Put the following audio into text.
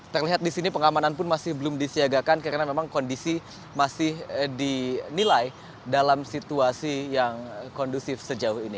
terlihat di sini pengamanan pun masih belum disiagakan karena memang kondisi masih dinilai dalam situasi yang kondusif sejauh ini